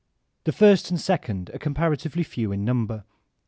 The first and second are comparatively few in number.